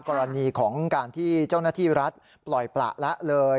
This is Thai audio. กรณีของการที่เจ้าหน้าที่รัฐปล่อยประละเลย